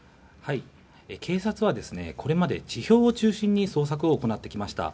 警察は、これまで地表を中心に捜索を行ってきました。